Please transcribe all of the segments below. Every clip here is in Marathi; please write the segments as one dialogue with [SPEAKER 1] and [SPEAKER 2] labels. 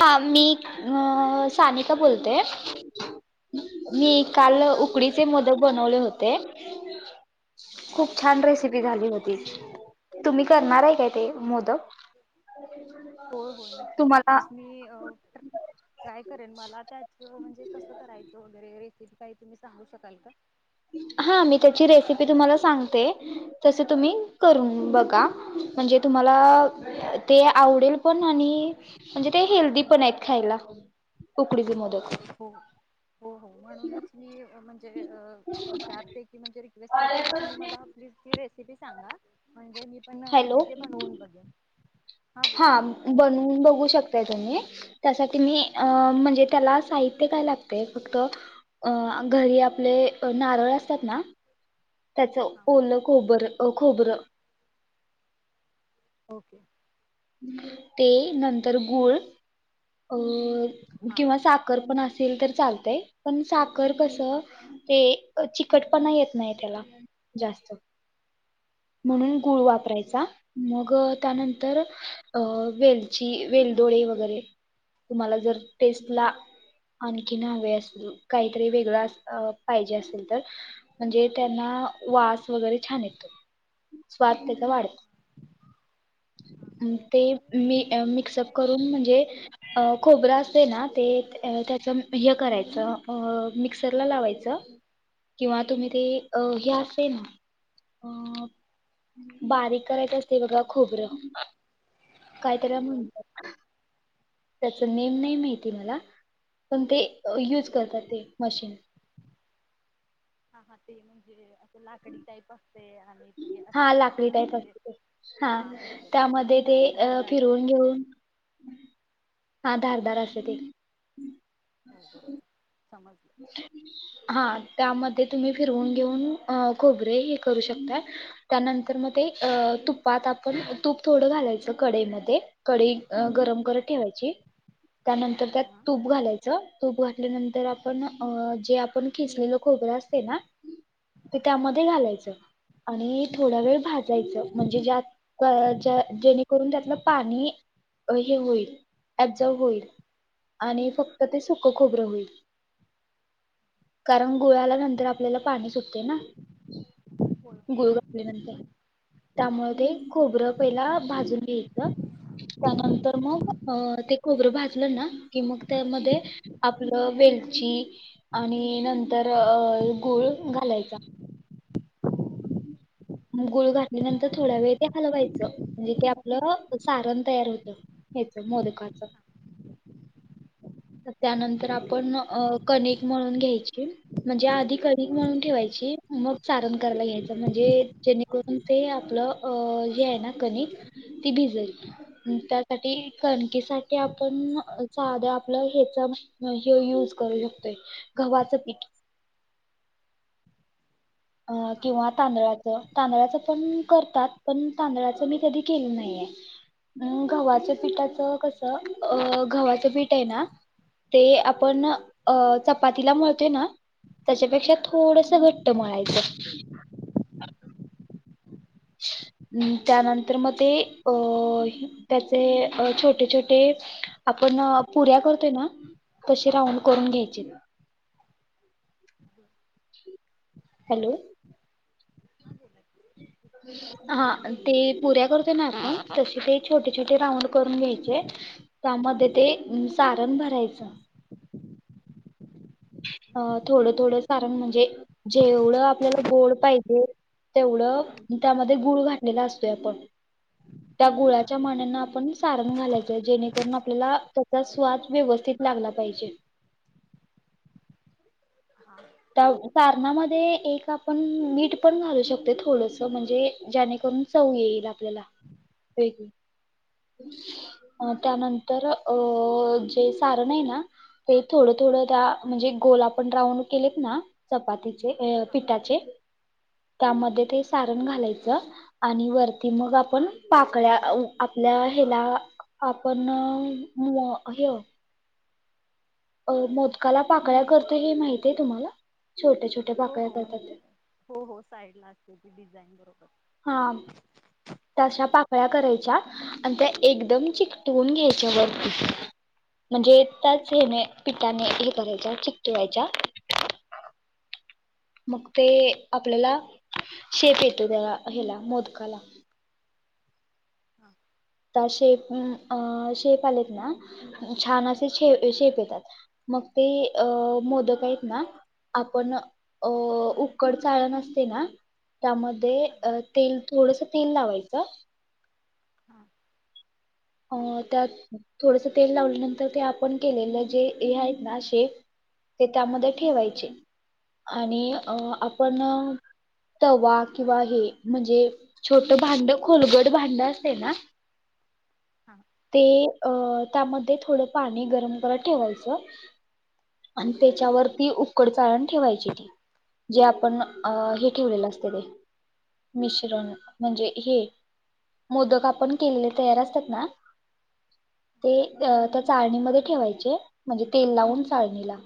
[SPEAKER 1] हा मी ह
[SPEAKER 2] हा
[SPEAKER 1] सानिका
[SPEAKER 2] बोला ना
[SPEAKER 1] बोलतोय, मी काल
[SPEAKER 2] हा बोला
[SPEAKER 1] उकडीचे
[SPEAKER 2] की मॅम.
[SPEAKER 1] मोदक बनवले होते.
[SPEAKER 2] कोण
[SPEAKER 1] खूप
[SPEAKER 2] तर
[SPEAKER 1] छान
[SPEAKER 2] नाही तू
[SPEAKER 1] रेसिपी झाली
[SPEAKER 2] कोण
[SPEAKER 1] होती
[SPEAKER 2] तर
[SPEAKER 1] तुम्ही करणार आहे काय ते
[SPEAKER 2] हो
[SPEAKER 1] मोदक? तुम्हाला.
[SPEAKER 2] त्यास्नी अ ट्राय करेन मला त्याच म्हणजे कसं करायचं वगैरे. इथे काही तुम्ही सांगू शकाल का?
[SPEAKER 1] हा मी त्याची रेसिपी तुम्हाला सांगते तस तुम्ही करून बघा म्हणजे तुम्हाला ते आवडेल पण आणि म्हणजे ते हेल्दी पण आहेत खायला उकडीचे मोदक.
[SPEAKER 2] हो हो हो म्हणूनच मी म्हन ते अ मी चार पैकी म्हणजे रिक्वेस्ट करते कि तुम्ही मला प्लिज ही रे रेसिपी सांगा. म्हणजे मी पण घरी
[SPEAKER 1] हॅलो
[SPEAKER 2] ते बनवून बघेन.
[SPEAKER 1] हा
[SPEAKER 2] बोला मॅम
[SPEAKER 1] बनवून बघू शकताय तुम्ही. त्यासाठी मी अं म्हणजे त्याला साहित्य काय लागते फक्त अ घरी आपले नारळ असतात ना त्याच
[SPEAKER 2] हा.
[SPEAKER 1] ओल खोबर ओ खोबरं [inaudible]
[SPEAKER 2] ओके.
[SPEAKER 1] ते नंतर गूळ अ
[SPEAKER 2] हा हा
[SPEAKER 1] किंवा साखर पण अस केलं तरी चालतय पण सा कुकर कसं
[SPEAKER 2] हा
[SPEAKER 1] ते ते चिकटपणा येत नाही त्याला जास्त.
[SPEAKER 2] हा
[SPEAKER 1] म्हणून गुळ वापरायचा. [unintelligible] मग ग त्यानंतर अं वेलची, वेलदोळडे वगैरे कुनाला जर टेस्ट ला आणखीन हवे असतील काहीतरी वेगळ असं अ पाहिजे असेल तर, म्हणजे त्यांना वास वगैरे छान येतो. स्वाद त्याचा वाढतो. ह ते
[SPEAKER 2] म्हणजे जे
[SPEAKER 1] म
[SPEAKER 2] मोदक
[SPEAKER 1] मिक्सअप
[SPEAKER 2] करायचे
[SPEAKER 1] करून
[SPEAKER 2] आहेत ते
[SPEAKER 1] म्हणजे, अ खोबरं असते ना ते अ त्याच हे करायचं अ मिक्सरला लावायचं किंवा तुम्ही ते अ हे असते ना अ बारीक करायचं असते बघा खोबरं कायतरी आण [inaudible] म्हणतात त्याच नेम नाही माहिती मला, पण ते युज करतात ते मशीन.
[SPEAKER 2] हा हा ते म्हणजे लाकडी टाईप असते आणि ते असं
[SPEAKER 1] हा
[SPEAKER 2] करायचं
[SPEAKER 1] लाकडी
[SPEAKER 2] ना
[SPEAKER 1] टाईप
[SPEAKER 2] म्हणजे
[SPEAKER 1] असते ते.
[SPEAKER 2] हा बरोबर, बरोबर
[SPEAKER 1] त्यामध्ये
[SPEAKER 2] ते असं
[SPEAKER 1] अ
[SPEAKER 2] धार-दार
[SPEAKER 1] फिरवून घेऊन हा धार-दार असते ते.
[SPEAKER 2] हो बरोबर
[SPEAKER 1] [unintelligible]
[SPEAKER 2] समजलं
[SPEAKER 1] [inaudible] हा. त्यामध्ये तुम्ही फिरवून घेऊन अ खोबरे हे करू शकता त्यानंतर मध्ये अ तुपात आपण तूप थोडं घालायचं कढई मध्ये कढई गरम करत ठेवायची. त्यानंतर त्यात
[SPEAKER 2] हा होय
[SPEAKER 1] तूप घालायचं. तूप घातल्यानंतर आप पण अ जे आपण खिसलेलं खोबरं असते ना ते त्यामध्ये घालायचं आणि थोडा वेळ भाजायचं म्हणजे जे आत जेणेकरून त्यातलं पाणी हे होईल, एबझॉर्व होईल आणि फक्त ते सुकं खोबरं होईल. [inaudible] कारण गुळाला नंतर आपल्याला पाणी सुटते ना.
[SPEAKER 2] बरोबर
[SPEAKER 1] गुळ घातल्यानंतर, त्यामुळे ते खोबरं पहिला भाजून घ्यायचं. त्यानंतर मग अ ते खोबरं भाजलं ना कि मग त्यामध्ये आपलं वेल ठीक आणि नंतर अ गुळ घालायचा [inaudible] गुळ घातल्यानंतर थोड्या वेळ ते हलवायचं म्हणजे ते आपलं सारण तयार होत. हेच मोदकाच त्यानंतर आपण अ कणिक म्हणून घ्यायची म्हणजे आधी कणिक म्हणून ठेवायची मग सारण करायला घ्यायच म्हणजे जेणेकरून ते आपलं अ जे आहे ना कणिक ती भिजेल त्यासाठी कणकेसाठी आपण साधं आपलं ह्याच हे यूज करू शकतोय गव्हाचं पीठ अ
[SPEAKER 2] हा
[SPEAKER 1] किंवा
[SPEAKER 2] म्हणजे
[SPEAKER 1] तांदळाचं
[SPEAKER 2] हा
[SPEAKER 1] तांदळाचं पण करतात
[SPEAKER 2] हा
[SPEAKER 1] पण तांदळाचं मी कधी केललेल नाहीये. अ गव्हाच
[SPEAKER 2] बरोबर म्हणजे
[SPEAKER 1] पीठाचं कसं
[SPEAKER 2] तांदळाचे
[SPEAKER 1] अ
[SPEAKER 2] पण
[SPEAKER 1] गव्हाचं पीठ ये ना ते आपण अ चपातीला मळतोय ना त्याच्यापेक्षा थोडस घट्ट मळाय [unintelligible] अ त्यानंतर मग ते अ त्याचे अ छोटे छोटे आपण पुऱ्या करतो ना तसे राऊंड करून घ्यायचे
[SPEAKER 2] [unintelligible]
[SPEAKER 1] हॅलो हा ते पुऱ्या करतोय ना आपण तसे ते छोटे छोटे राऊंड करून घ्यायचे. त्यामध्ये ते सारण भरायचं. अ थोडं थोडं सारण म्हणजे, जेवढं आपल्याला गोड पाहिजे तेवढं त्यामध्ये गुळ घातलेला असतोय आपण त्या
[SPEAKER 2] हा
[SPEAKER 1] गुळाच्या
[SPEAKER 2] हा
[SPEAKER 1] मानानं आपण सारण घालायचंय जेणेकरून आपल्याला त्याचा स्वाद व्यवस्थित लागला पाहिजे.
[SPEAKER 2] हा
[SPEAKER 1] त्या सारणामध्ये एक आपण मीठ पण घालू शकतोय थोडस म्हणजे ज्याणेकरून चव येईल आपल्याला वेगळी त्यानंतर अं जे सारण आहे ना ते थोडं थोडं त्या
[SPEAKER 2] हम्म,
[SPEAKER 1] म्हणजे गोल आप ण राऊंड केलेत ना चपाती अ
[SPEAKER 2] हा
[SPEAKER 1] पिठाचे
[SPEAKER 2] हम्म.
[SPEAKER 1] त्यामध्ये ते सारण घालाय आणि वरती मग आपण पाकळ्या आपल्या हेला आपण हय अ मोदकाला पाकळ्या करतो. हे माहितीये तुम्हाला? छोट्या छोट्या
[SPEAKER 2] हो
[SPEAKER 1] पाकळ्या
[SPEAKER 2] हो
[SPEAKER 1] करतात
[SPEAKER 2] म्हणजे
[SPEAKER 1] ते
[SPEAKER 2] हो हो साईडला अशी ती डिझाईन बरोबर
[SPEAKER 1] हा तशा पाकळ्या करायच्या आणि त्या एकदम चिकटवून घ्यायच्या वरती. म्हणजे त्याच हेने पिठाने हे करायच्या चिकटवायच्या मग
[SPEAKER 2] ओके
[SPEAKER 1] ते आपल्याला शेप येतो त्याला हेला मोदकाला
[SPEAKER 2] हा
[SPEAKER 1] आता शेप अ शेप आलेत ना छान असे शे शेप येतात. मग ते अ मोदक आहेत ना आपण अ उकड चाळन अस ते ना
[SPEAKER 2] हा
[SPEAKER 1] त्यामध्ये तेल थोडस तेल लावायचं
[SPEAKER 2] हा
[SPEAKER 1] अ त्यात थोडस तेल लावल्यानंतर ते आपण केलेलं जे ये आहेत ना शेप ते त्यामध्ये
[SPEAKER 2] हा
[SPEAKER 1] ठेवायचे. आणि अ
[SPEAKER 2] ओके
[SPEAKER 1] आपण तवा किंवा हे म्हणजे छोट भांड खोलगड भांड असतय ना?
[SPEAKER 2] हा
[SPEAKER 1] ते अ त्यामध्ये थोडं पाणी गरम करत ठेवायच. आणि त्याच्यावरती उकड चाळण ठेवायची ती जे आप पण
[SPEAKER 2] हा हा
[SPEAKER 1] हे ठेवलेलं असत ते मिश्रण म्हणजे हे मोदक आपण केलेले तयार असतात ना ते त्या चाळणीमध्ये ठेवायचे म्हणजे तेल लावून चाळणीला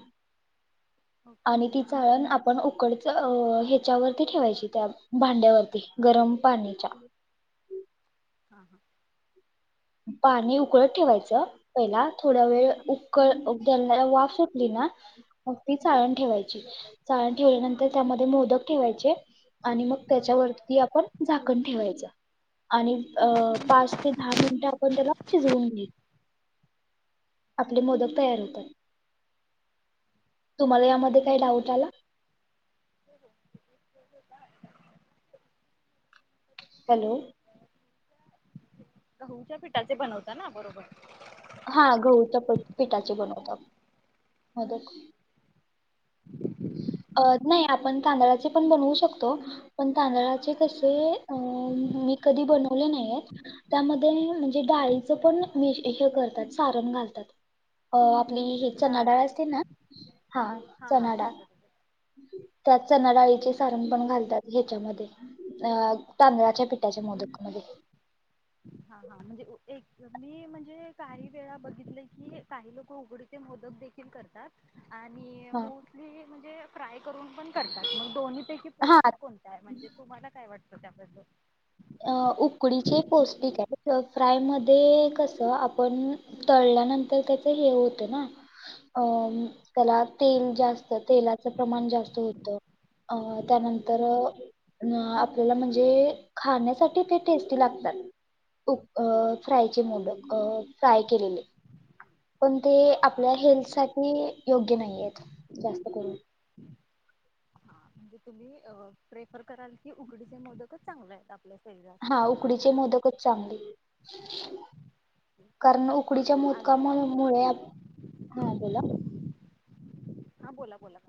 [SPEAKER 2] ओके
[SPEAKER 1] आणि ती चाळण. आपण उकड अ ह्याच्यावरती ठेवायची. त्या भांड्यावरती गरम पाण्याच्या
[SPEAKER 2] हां हां.
[SPEAKER 1] पाणी उकळत ठेवायचं. पहिला थोडा वेळ
[SPEAKER 2] हा
[SPEAKER 1] उकळ उकळताना वाफ किना, अगदी चाळण ठेवायची, चाळण ठेवल्यानंतर त्यामध्ये मोदक ठेवायचे आणि मग त्याच्यावरती आपण झाकण ठेवायचं आणि अ पाच ते दहा मिनट आपण त्याला शिजवून घेऊ - आपले मोदक तयार होतात. तुम्हाला यामध्ये काही डाऊट आला
[SPEAKER 2] [inaudible]
[SPEAKER 1] हॅलो.
[SPEAKER 2] गहूच्या पिठाचे बनवता ना? बरोबर.
[SPEAKER 1] हा, गहूच्या प पिठाचे बनवतात. मोदक. अ नाही
[SPEAKER 2] अ,
[SPEAKER 1] आपण तांदळाचे पण बनवू शकतो पण तांदळाचे कसे अं- मी कधी बनवले नाहीयेत. त्यामध्ये अ म्हणजे डाळीचं पण मी हे करतात सारण घालतात अ मी हे चणा डाळ असते ना? हा
[SPEAKER 2] हा
[SPEAKER 1] चणा
[SPEAKER 2] हा
[SPEAKER 1] डाळ.
[SPEAKER 2] बरोबर
[SPEAKER 1] त्यात चना डाळीचे
[SPEAKER 2] अच्छा हा
[SPEAKER 1] सारण पण घालतात हे च्या मते अ तांदळाच्या पिठाच्या मोदक मधे.
[SPEAKER 2] हा हा म्हणजे ऊ एक मी म्हणजे काही वेळा बघितले की काही लोक उकडीचे मोदक देखील करतात. आणि
[SPEAKER 1] हा
[SPEAKER 2] -मोस्टली म्हणजे फ्राय करून पण करतात मग दोन्ही की
[SPEAKER 1] हा
[SPEAKER 2] पौष्टिक कोणता आहे? म्हणजे तुम्हाला काय वाटत?
[SPEAKER 1] अ उकडीचे पौष्टिक हे [unintelligible] फ्राय मध्ये कसं आपण तळल्यानंतर त्याच हे होतं ना अ म त्याला तेल जास्त तेलाच प्रमाण जास्त होतं अ त्यानंतर अ न आपल्याला म्हणजे खाण्यासाठी ते टेस्टी लागतात उक अ फ्रायचे मोदक अ फ्राय केलेले पण ते
[SPEAKER 2] हा
[SPEAKER 1] आपल्या
[SPEAKER 2] हा
[SPEAKER 1] हेल्थसाठी योग्य नाहीयेत जास्त करून.
[SPEAKER 2] हा तुम्ही अ प्रेफर कराल की उकडीचे मोदकच चांगले आहेत आपल्या-
[SPEAKER 1] हा
[SPEAKER 2] शरीरासाठी
[SPEAKER 1] -उकडीचे मोदकच चांगले कारण उकडीच्या
[SPEAKER 2] आज
[SPEAKER 1] मोदकामूळ मुळात, हा बोला,
[SPEAKER 2] हा बोला बोला.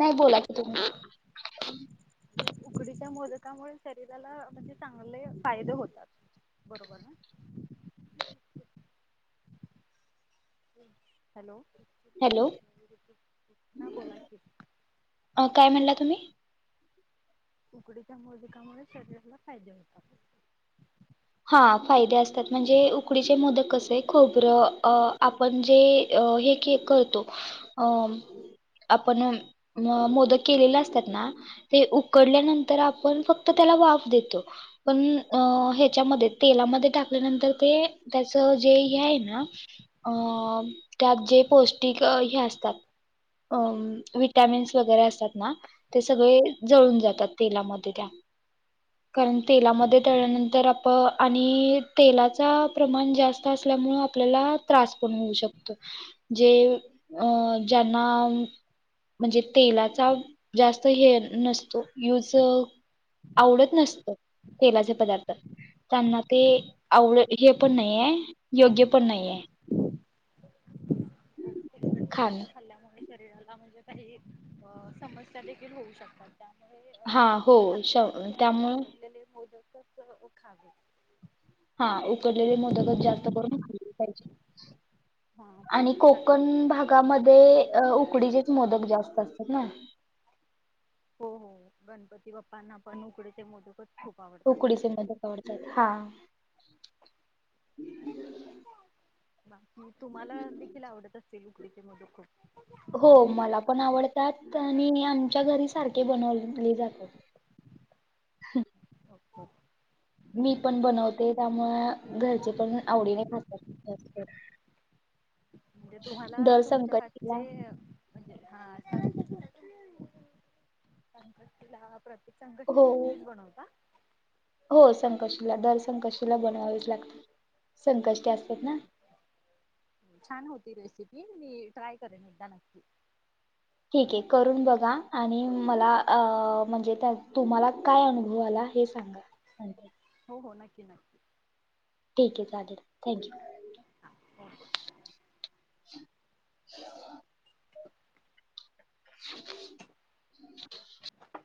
[SPEAKER 1] हां, बोला कि तुम्ही
[SPEAKER 2] जे उकडीच्या मोदकामुळे शरीराला म्हणजे चांगले फायदे होतात बरोबर ना? हॅलो.
[SPEAKER 1] हॅलो
[SPEAKER 2] हा बोला की.
[SPEAKER 1] अ, काय म्हणला तुम्ही?
[SPEAKER 2] उकडीच्या मोदकामुळे शरीराला फायदे होतात.
[SPEAKER 1] हा -फायदे असतात म्हणजे उकडीचे मोदक कसे आहे खोबरं अ आपण जे अ हे के करतो अम आपण म मोदक केलेले असतात ना ते उकडल्यानंतर आपण फक्त त्याला वाफ देतो पण अ हे च्यामधे तेलामधे टाकल्यानंतर ते त्याच जे हे आहे ना अ त्यात जे पौष्टिक अ हे असतात. अम विटमिन्स वगरे असतात ना ते सगळे जळून जातात ते तेलामध्ये त्या. कारण तेलामध्ये तळल्यानंतर आप प आणि तेलाचा प्रमाण जास्त असल्यामुळ आपल्याला त्रास पण होऊ शकतो. जे अ ज्यांना म म्हणजे तेलाचा जास्त हे नसतो युज आवडत नसतो तेलाचे पदार्थ त्यांना ते आवड हे पण नाहीये, योग्य पण नाहीये.
[SPEAKER 2] तेलकट
[SPEAKER 1] खाण.
[SPEAKER 2] पदार्थ खाल्ल्यामुळे शरीराला म्हणजे काही अ समस्या देखील होऊ शकतात. त्यामुळे अ
[SPEAKER 1] हा हो
[SPEAKER 2] म्हणजे
[SPEAKER 1] शव त्यामुळं
[SPEAKER 2] ऊ क उखावी.
[SPEAKER 1] हा उकडलेले मोदकच जास्त करून [unintelligible] पाहीजे.
[SPEAKER 2] हा पौष्टिक असतात ते.
[SPEAKER 1] मोदकामध्ये उकडीचेच मोदक जास्त असतात ना?
[SPEAKER 2] हो हो गणपती बाप्पांना पण उकडी
[SPEAKER 1] उकडीचे मोदक आवडतात हा!
[SPEAKER 2] बाकी तुम्हाला देखील आवडत उकडीचे मोदक खूप
[SPEAKER 1] हो मला पण आवडतात आणि आमच्या घरी सारखे बनवले जातात
[SPEAKER 2] हो.
[SPEAKER 1] मी पण बनवते त्यामुळे घरचे पण आवडीने खातात
[SPEAKER 2] म्हणजे तुम्हाला
[SPEAKER 1] दर
[SPEAKER 2] तुमच्या हातचे
[SPEAKER 1] संकष्टीला
[SPEAKER 2] म्हणजे हा संकष्टी लाभ प्रत्येक
[SPEAKER 1] हो
[SPEAKER 2] संकष्टीला तुम्हीच बनवता
[SPEAKER 1] हो संकष्टीला दर संकष्टीला बनवावेच लागत संकष्टी असतात
[SPEAKER 2] ठीक आहे
[SPEAKER 1] ना
[SPEAKER 2] ठीक आहे छान होती रेसिपी मी ट्राय करेन एकदा नक्की
[SPEAKER 1] ठीक आहे करून बघा आणि मला अ म्हणजे त्या तुम्हाला काय अनुभव आला हे सांगा
[SPEAKER 2] हो हो नक्की नक्की
[SPEAKER 1] ठीक आहे चालेल थँक यू
[SPEAKER 2] हो
[SPEAKER 1] [unintelligible] [unintelligible]